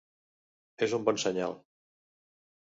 És un bon senyal.